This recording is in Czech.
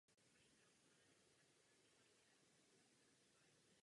Na severovýchod od něj je historické centrum města a městská pláž.